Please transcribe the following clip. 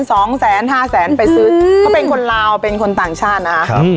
สองแสนห้าแสนไปซื้อเขาเป็นคนลาวเป็นคนต่างชาตินะครับ